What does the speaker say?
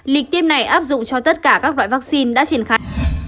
lịch tiêm này áp dụng cho tất cả các loại vaccine đã triển khai